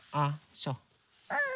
うん。